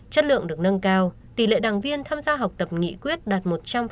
chất lượng được nâng cao tỷ lệ đảng viên tham gia học tập nghị quyết đạt một trăm linh